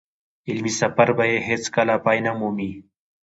علمي سفر به يې هېڅ کله پای نه مومي.